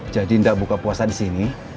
jadi ndak buka puasa disini